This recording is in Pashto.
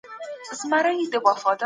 د ورورۍ باب.